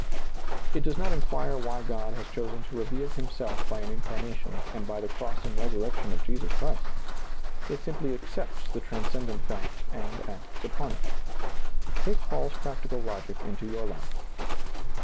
It does not inquire why God has chosen to reveal Himself by an incarnation, and by the cross and resurrection of Jesus Christ? It simply accepts the trans cendent fact and acts upon it. Take Paul's practical logic into your life.